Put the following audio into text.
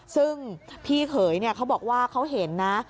ซึ่งพี่เขยเขาบอกว่าเขาเห็นนะ